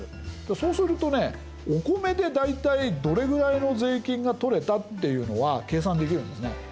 そうするとねお米で大体どれぐらいの税金が取れたっていうのは計算できるんですね。